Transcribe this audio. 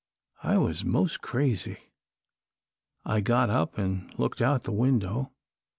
I was mos' crazy. I got up an' looked out the window.